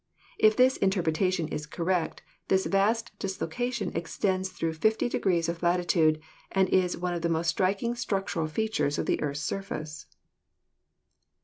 If this interpretation is correct, this vast dislocation extends through fifty degrees of latitude and is one of the most striking structural features of the earth's surface.